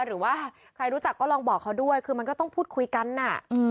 หรือว่าใครรู้จักก็ลองบอกเขาด้วยคือมันก็ต้องพูดคุยกันน่ะอืม